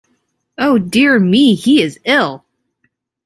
Oh, dear me, he is ill!